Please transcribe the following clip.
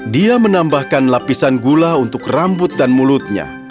dia menambahkan lapisan gula untuk rambut dan mulutnya